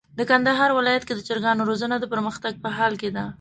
د کندهار ولايت کي د چرګانو روزنه د پرمختګ په حال کي ده.